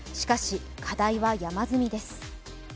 しかし、課題は山積みです。